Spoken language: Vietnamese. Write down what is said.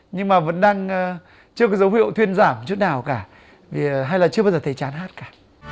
nhưng mà vẫn đang chưa có dấu hiệu thuyên giảm chút nào cả hay là chưa bao giờ thấy chán hát cả